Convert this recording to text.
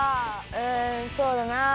うんそうだなあ。